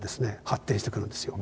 発展してくるんですよ。